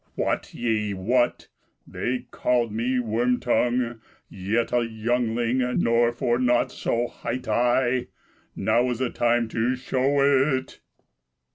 Wot ye what? they called me, Worm tongue, yet a youngling; Nor for nought so hight I; Now is time to show it!"